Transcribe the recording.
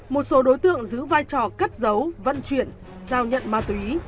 một số đối tượng giữ vai trò cất giấu vận chuyển giao nhận ma túy